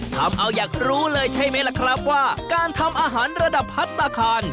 ทำเอาอยากรู้เลยใช่ไหมล่ะครับว่าการทำอาหารระดับพัฒนาคาร